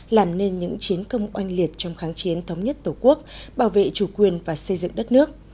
làm nên những chiến công oanh liệt trong kháng chiến thống nhất tổ quốc bảo vệ chủ quyền và xây dựng đất nước